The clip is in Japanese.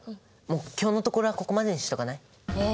もう今日のところはここまでにしとかない？え？